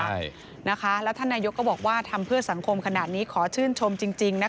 ใช่นะคะแล้วท่านนายกก็บอกว่าทำเพื่อสังคมขนาดนี้ขอชื่นชมจริงนะคะ